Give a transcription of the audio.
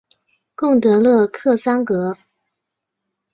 贡德勒克桑格。